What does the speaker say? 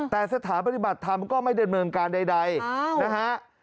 แต่สถานบริบัติธรรมก็ไม่ได้เมืองการใดนะครับ